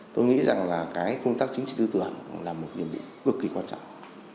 tôi nghĩ rằng công tác chính trị tư tưởng là một nhiệm vụ cực kỳ quan trọng